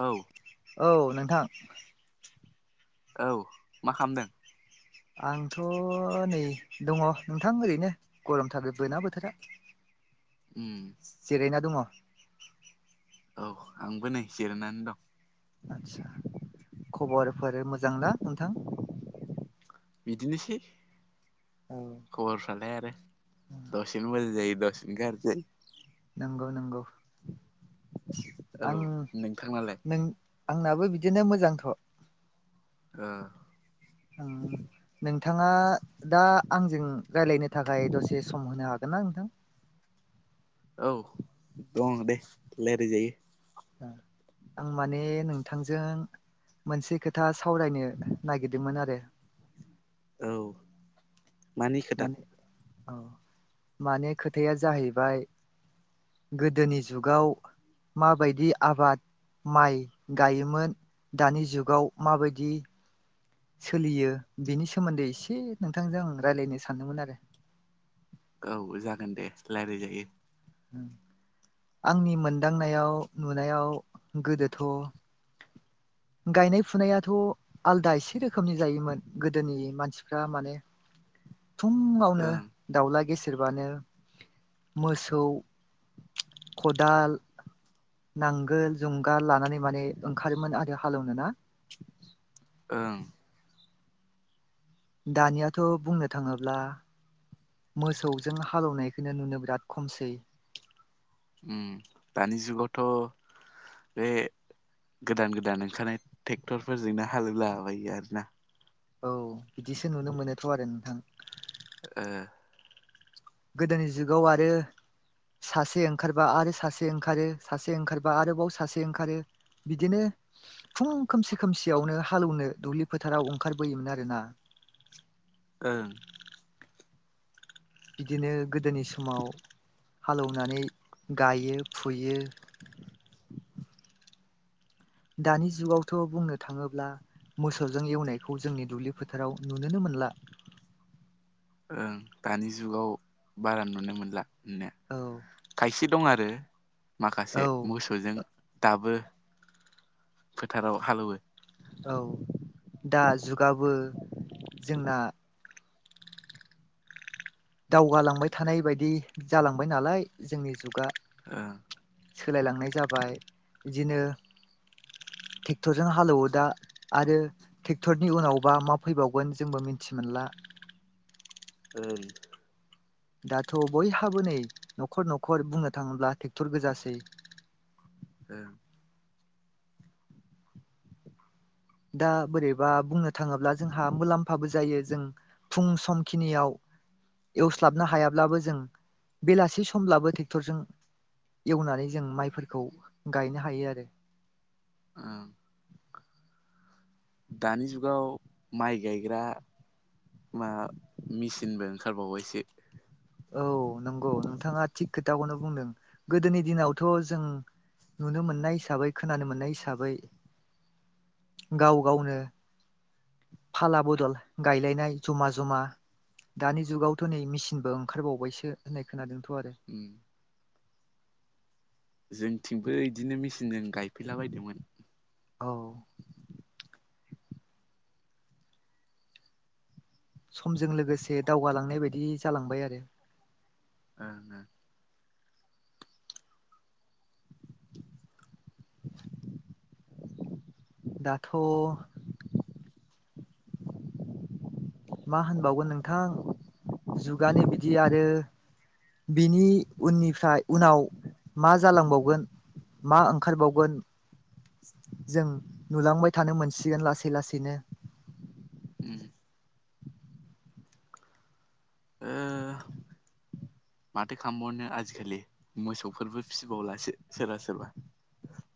औ औ नोंथां। औ मा खामदों? आंथ' नै दङ नोंथां ओरैनो गरमथारोबोना बोथोरा। उम जिरायना दङ। औ आंबो नै जिरायनानै दं। आदसा खबरफोर मोजांना नोंथां? बिदिनोसै औ खबरफ्रालाय आरो। दसेनो मोजां जायो दसेनो गारजि जायो। नंगौ नंगौ औ आं नोंथांनालाय नों आंनाबो बिदिनो मोजांथ'। ओ। ओं नों नोंथाङा दा आंजों रायलायनो थाखाय दसे सम होनो हागोन ना नोंथां? औ दं दे रायलायजायो। आं माने नोंथांजों मोनसे खोथा सावरायनो नागिरदोंमोन आरो। औ मानिखोथा? माने औ माने खोथाया जाहैबाय गोदोनि जुगाव माबायदि आबाद माइ गायोमोन दानि जुगाव माबायदि सोलियो बिनि सोमोन्दै एसे नोंथांजों रायज्लायनो सानदोंमोन आरो औ जागोन दे रायज्लायजायो। आंनि मोनदांनायाव नुनायाव गोदोथ'। गायनाय फुनायाथ' आलदा एसे रोखोमनि जायोमोन गोदोनि मानसिफ्रा माने [inaudible] फुङावनो ओं दाउला गेसेेरबानो मोसौ खदाल नांगोल जुंगाल लानानै माने ओंखारोमोन आरो हालौनो ना? ओं दानियाथ' बुंनो थाङोब्ला मोसौजों हालौनायखौनो नुनो बिराद खमसै। ओम, दानि जुगावथ' बे गोदान गोदान ओंखारनाय ट्रेक्टरफोरजोंनो हालोवलाबायो आरोना। औ बिदिसो नुनो मोनोथ' आरो नोंथां। ओ, गोदोनि जुगाव आरो सासे ओंखारबा आरो सासे ओंखारो सासे ओंखारबा आरोबाव सासे ओंखारो। बिदिनो फुं खोमसि खोमसियावनो हालौनो दुब्लि फोथाराव ओंखारबोयोमोन आरोना। ओं बिदिनो गोदोनि समाव हालेवनानै गायो फुयो। दानि जुगावथ' बुंनो थाङोब्ला मोसौजों एवनायखौ जोंनि दुब्लि फोथाराव नुनोनो मोनला। [inaudible] ओं दानि जुगाव बारा नुनो मोनला नुनाया, औ खायसे दं आरो माखासे औ मोसौजों दाबो फोथाराव हालेवो। औ दा जुगाबो जोंना दावगालांबाय थानाय बायदि जालांबाय नालाय जोंनि जुगा ओं सोलायलांनाय जाबाय बिदिनो टेक्टरजों हालेवो दा। आरो ट्रेक्टरनि उनावबा मा फैबावगोन जोंबो मिथि मोनला। [inaudible] दाथ' बयहाबो नै न'खर न'खर बुंनो थाङोब्ला ट्रेक्टर गोजासै। औ दा बोरैबा बुंनो थाङोब्ला जोंहा मुलाम्फाबो जायो जों फुं सम खिनियाव एवस्लाबनो हायाब्लाबो जों बेलासि समब्लाबो ट्रेक्टरजों एवनानै जों माइफोरखौ गायनो हायो आरो औ दानि जुगाव माइ गायग्रा मा मेसिनबो ओंखारबावबायसो। औ नंगौ नोंथाङा थिग खोथाखौनो बुंदों गोदोनि दिनावथ' जों नुनो मोननाय हिसाबै खोनानो मोननाय हिसाबै गाव गावनो फाला बदल गायलायनाय जमा जमा दानि जुगावथ नै मेचिनबो ओंखार ओंखारबावबायसो होननाय खोनादोंथ आरो उम जोंथिंबो इदिनो मेचिनजों गायफैलाबायदोंमोन। औ समजों लोगोसे दावगालांनाय बायदि जालांबाय आरो ओ दाथ' मा होनबावगोन नोंथां जुगानि बिदि आरो बिनि उननिफ्राय उनाव मा जालांबावगोन मा ओंखारबावगोन जों नुलांबाय थानो मोनसिगोन लासै लासैनो उम ओ माथो खालामबावनो आजिखालि मोसौफोरबो फिसिबावलासो सोरबा सोरबा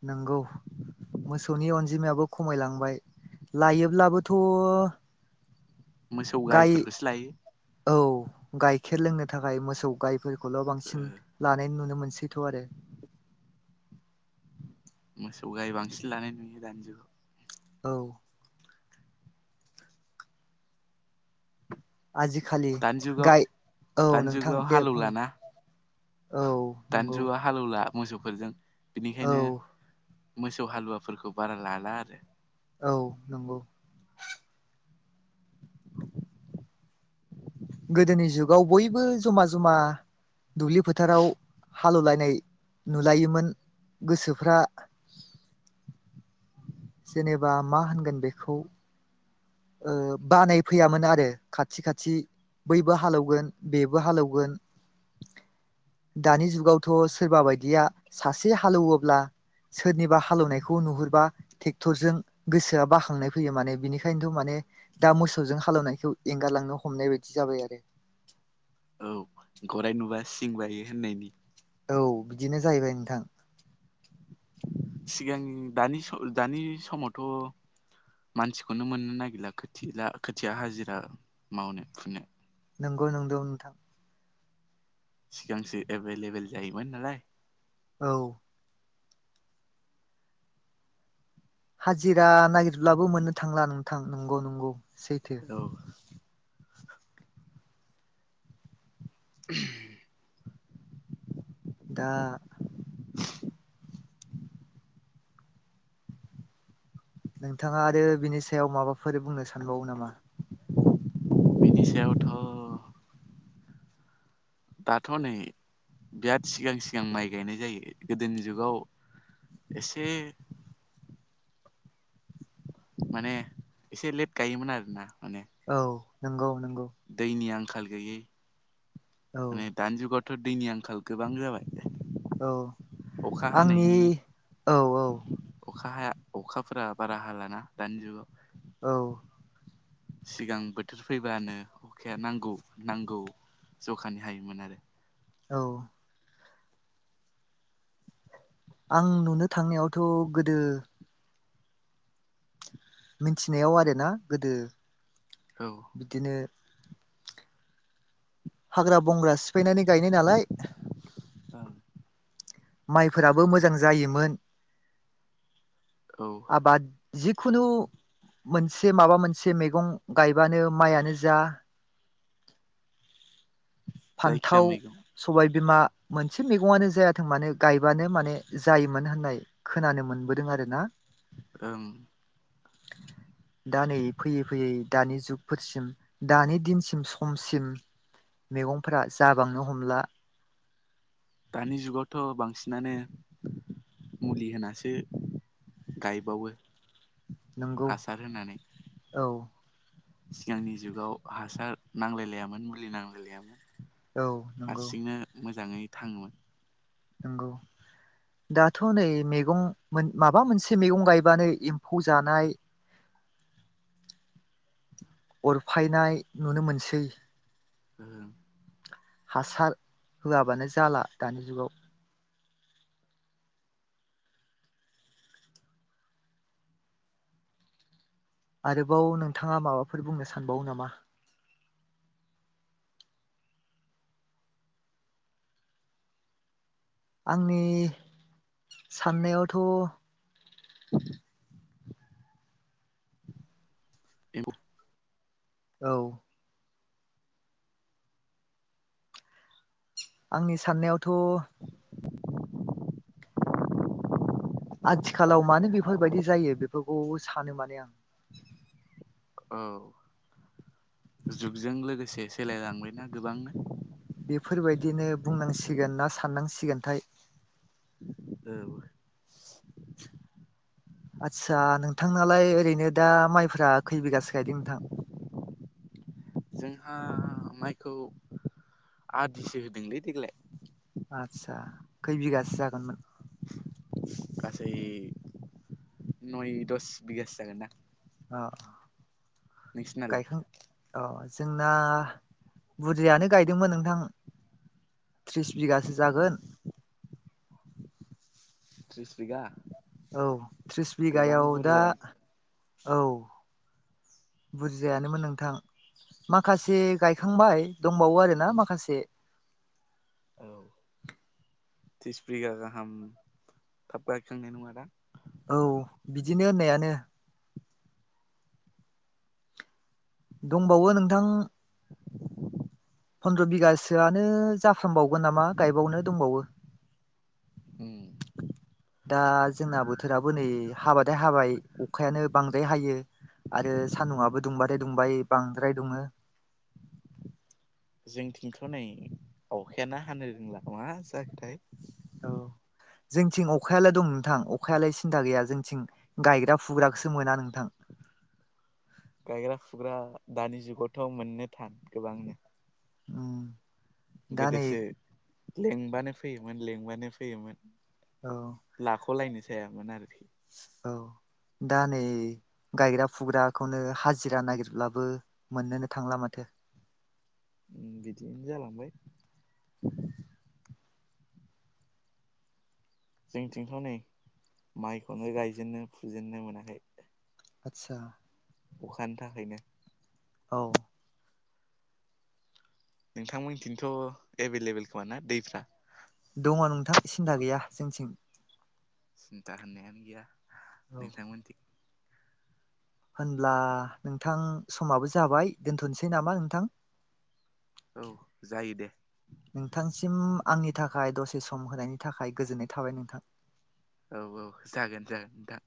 नोंगौ। मोसौनि अनजिमायाबो खमायलांबाय लायोब्लाबोथ' मोसौ गाय गायफोरखौसो लायो औ गाय खेर लोंनो थाखाय मोसौ गायफोरखौल' ओ बांसिन लानाय नुनो मोनसैथ' आरो मोसौ गाय बांसिन लानाय नुयो दानि जुगाव औ आजिखालि दानिजुगाव गाय औ नोंथां दानिजुगाव दे बुं हालौलाना औ दान नंगौ जुगआ हालौला मोसौफोरजों औ बिनिखायनो मोसौ हालुवाफोरखौ बारा लाला आरो औ नंगौ। गोदोनि जुगाव बयबो जमा जमा दुब्लि फोथाराव हालेवलायनाय नुलायोमोन गोसोफ्रा [unintelligible] जेनेबा मा होनगोन बेखौ ओ बानाय फैयामोन आरो खाथि खाथि बैबो हालौगोन बेबो हालौगोन दानि जुगावथ' सोरबा बायदिया सासे हालौवोब्ला सोरनिबा हालेवनायखौ नुहुरबा ट्रेक्टरजों गोसोआ बाखांनाय फैयो माने बिनिखायनो माने दा मोसौजों हालवनायखौ एंगारलांनो हमनाय बायदि जाबाय आरो औ गराय नुबा सिं बायो होननायनि औ बिदिनो जाहैबाय नोंथां सिगां दानि सम दानि समावथ' मानसिखौनो मोननो नागिरला खोथिला खोथिया हाजिरा मावनो फुनो नंगौ नंगौ नोंथां सिगांसो एभेलेबेल जायोमोन नालाय औ हाजिरा नागिरब्लाबो मोननो थांला नोंथां नंगौ नंगौ। सैथो औ [unintelligible] दा नोंथाङा आरो बिनि सायाव माबाफोर बुंनो सानबावो नामा? बिनि सायावथ' दाथ' नै बिराद सिगां सिगां माइ गायनाय जायो गोदोनि जुगाव एसे माने एसे लेट गायोमोन आरो ना माने औ नंगौ। नंगौ दायनि आंखाल गैयै औ माने दानजु गथ' दैनि आंखाल गोबां जाबाय औ अखा आंनि हानायनि औ औ अखा हाया अखाफोरा बारा हाालाना दानि जुगाव औ सिगां बोथोर फैबानो अखाया नांगौ नांगौ जखानि हायोमोन आरो औ आं नुनो थांनायावथ' गोदो मिथिनायाव आरोना गोदो औ बिदिनो हाग्रा बंग्रा सिफायनानै गायनाय नालाय औ माइफोराबो मोजां जायोमोन औ आ बाद जिखुनु मोनसे माबा मोनसे मैगं गायबानो माइयानो जा जायखिया फान्थाव मैगं सबाय बिमा मोनसे मैगङानो जायाथों मानो गायबानो माने जायोमोन होननाय खोनानो मोनबोदों आरो ना औ- दा नै फैयै फैयै दानि जुगफोरसिम दानि दिनसिम खमसिम मैगंफोरा जाबांनो हमला दानि जुगावथ' बांसिनानो मुलि होनासो गायबावो नंगौ हासार होनानै औ सिगांनि जुगाव हासार नांलाय लायामोन मुलि नांलाय लायामोन औ नंगौ हारसिंनो मोजाङै थाङोमोन नंगौ दाथ' नै मैगं माबा मोनसे मैगं गायबानोै एम्फौ जानाय [unintelligible] [inaudible] अरफायनाय नुनो मोनसै ओं हासार होआबानो जाला दानि जुगाव आरोबाव नोंथाङा माबाफोर बुंनो सानबावो नामा आंनि साननायावथ' [unintelligible] [inaudible] औ आंनि साननायावथ' आथिखालाव मानो बेफोरबायदि जायो बेफोरखौ सानो माने आं औ जुगजों लोगोसे सोलायलांबायना गोबांनो बेफोरबायदिनो बुंनांसिगोन ना साननांसिगोनथाय औ आदसा नोंथांलाय ओरैनो दा माइफोरा खै बिगासो गायदों नोंथां [unintelligible] [inaudible] जोंहा माइखौ आदिसो होदोंलै देग्लाय आदसा खै बिगासो जागोनमोन गासै नय दस बिगासो जागोनदां अ गायखां औ जोंना बुरजायायानो गायदोंमोन नोंथां थ्रिस बिगासो जागोन थ्रिस बिघा औ थ्रिस बिगायाव दा औ बुजिजायानोमोन नोंथां माखासे गायखांबाय दंबावो आरोना माखासे औ थ्रिस बिगा गाहाम थाब गायखांनाय नङा दां औ बिदिनो होननायानो दंबावो नोंथां फन्द्र' बिगासोआनो जाफ्रामबावगोन नामा गायबावनो दंबावो। [unintelligible] दा जोंना बोथोराबो नै हाबाथाय हाबाय अखायानो बांद्राय हायो। आरो सान्दुआबो दुंबाथाय दुंबाय बांद्राय दुङो। [inaudible] जोंथिंथ' नै अखायानो हानो रोंला मा जाखोथाय। औ जोंथिं अखायालाय दं नोंथां अखायालाय सिन्था गैया जोंथिं गायग्रा फुग्राखौसो मोना नोंथां। गायग्रा फुग्रा दानि जुगावथ' मोननो थान गोबांनो। उम दा नै गोदोसो लेंबानो फैयोमोन लेंबानो फैयोमोन। औ लाख'लायनो जायामोन आरोखि। औ दा नै गायग्रा फुग्राखौनो हाजिरा नागिरब्लाबो मोननोनो थांला माथो। उम बिदिनो जालांबाय। जोंथिंथ' नै माइखौनो गायजेननो फुजेननो मोनाखै। आतसा अखानि थाखायनो। औ नोंथांमोनथिनोथ' एभेल एबेल खोमा ना दैफ्रा? दङ नोंथां सिन्था गैया जोंथिं। सिन्था होननायानो गैया औ नोंथांमोनथि। होनब्ला नोंथां समाबो जाबाय दोनथ'नोसै नामा नोंथां? औ जायो दे नोंथांसिम आंनि थाखाय दसे सम होनायनि थाखाय गोजोननाय थाबाय नोंथां। औ औ जागोन जागोन नोंथां।